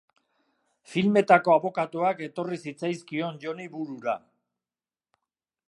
Filmetako abokatuak etorri zitzaizkion Joni burura.